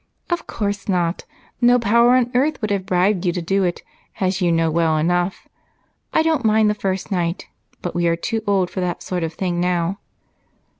"Of course not. No power on earth would have bribed you to do it, as you know well enough. I don't mind the first night, but we are too old for that sort of thing now."